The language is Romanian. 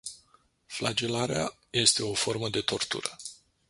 Flagelarea este o formă de tortură.